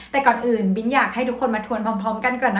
แต่ก่อนอื่นบิ้นอยากให้ทุกคนมาทวนพร้อมกันก่อนนะ